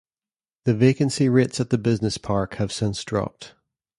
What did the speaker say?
The vacancy rates at the business park have since dropped.